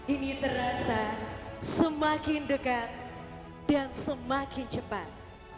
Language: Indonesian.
ini terasa semakin dekat dan semakin cepat